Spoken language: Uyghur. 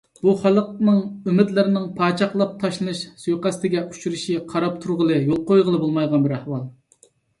بۇ خەلقنىڭ ئۈمىدلىرىنىڭ پاچاقلاپ تاشلىنىش سۇيىقەستىگە ئۇچرىشى قاراپ تۇرغىلى، يول قويغىلى بولمايدىغان بىر ئەھۋال.